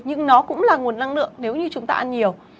nhưng nó cũng là nguồn năng lượng nếu như chúng ta ăn nhiều